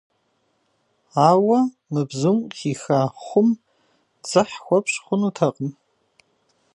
Ауэ мы бзум къыхиха хъум дзыхь хуэпщӀ хъунутэкъым.